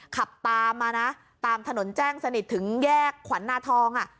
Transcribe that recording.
ขับตามมานะตามถนนแจ้งสนิทถึงแยกขวัญนาทอง